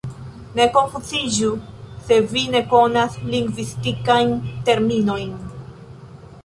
Ne konfuziĝu, se vi ne konas lingvistikajn terminojn.